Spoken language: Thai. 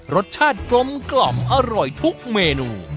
รสชาติกลมกล่อมอร่อยทุกเมนู